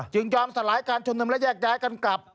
ยอมสลายการชุมนุมและแยกย้ายกันกลับ